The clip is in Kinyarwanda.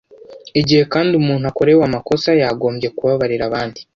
igihe kandi umuntu akorewe amakosa, yagombye kubabarira abandi